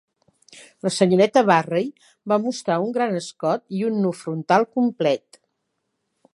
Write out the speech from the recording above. La senyoreta Barrey va mostrar un gran escot i un nu frontal complet.